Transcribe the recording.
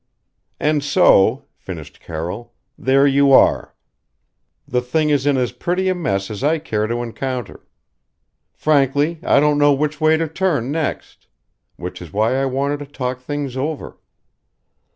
"And so," finished Carroll, "there you are. The thing is in as pretty a mess as I care to encounter. Frankly, I don't know which way to turn next which is why I wanted to talk things over.